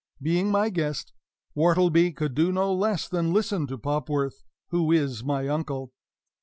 Being my guest, Wortleby could do no less than listen to Popworth, who is my uncle.